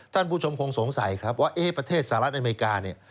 ท่านผู้ชมคงสงสัยว่าเอ๊ะประเทศสหรัฐอเมริกานี่